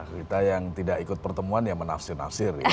kita yang tidak ikut pertemuan ya menafsir nafsir